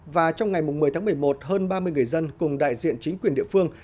và trong ngày một mươi tháng một mươi một hơn ba mươi người dân cùng đại diện chính quyền địa phương